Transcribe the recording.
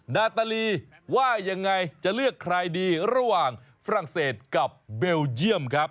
นาตาลีว่ายังไงจะเลือกใครดีระหว่างฝรั่งเศสกับเบลเยี่ยมครับ